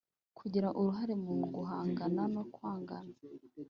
Kugira uruhare mu guhangana no kwangana